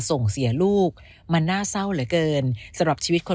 ส่งเสียลูกมันน่าเศร้าเหลือเกินสำหรับชีวิตคน